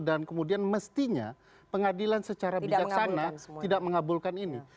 dan kemudian mestinya pengadilan secara bijaksana tidak mengabulkan ini